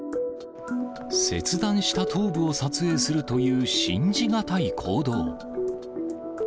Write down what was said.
切断した頭部を撮影するという信じ難い行動。